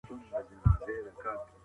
موږ شپه او ورځ کار کوو.